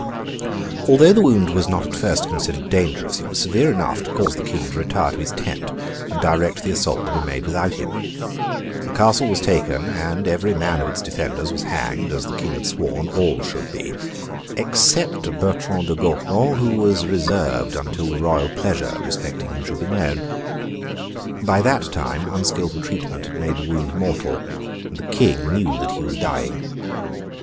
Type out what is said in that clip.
Although the wound was not at first considered dangerous, it was severe enough to cause the King to retire to his tent, and direct the assault to be made without him. The castle was taken; and every man of its defenders was hanged, as the King had sworn all should be, except Bertrand de Gourdon, who was reserved until the royal pleasure respecting him should be known. By that time unskilful treatment had made the wound mortal and the King knew that he was dying.